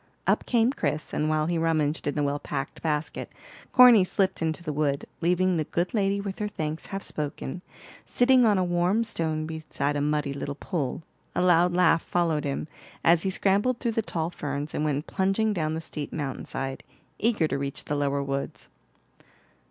Up came Chris, and while he rummaged in the well packed basket, Corny slipped into the wood, leaving the good lady with her thanks half spoken, sitting on a warm stone beside a muddy little pool. A loud laugh followed him, as he scrambled through the tall ferns and went plunging down the steep mountain side, eager to reach the lower woods.